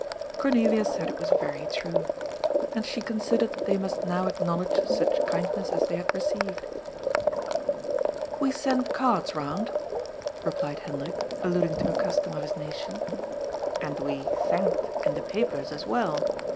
Cornelia said it was very true. And she considered they must now acknowledge such kindness as they had re ceived. " We sent cards around," replied Hendrik, alluding to a custom of his nation. " And we * thanked ' in the papers as well.